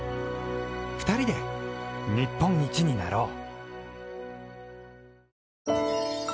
２人で、日本一になろう。